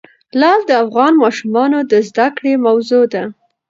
لعل د افغان ماشومانو د زده کړې موضوع ده.